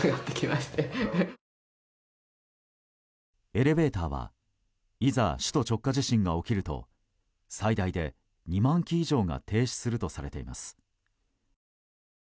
エレベーターはいざ首都直下地震が起きると最大で２万基以上が停止するとされています。